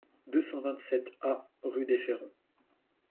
deux cent vingt-sept A rue des Ferrons